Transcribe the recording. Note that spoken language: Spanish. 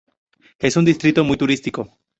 Es un distrito muy turístico.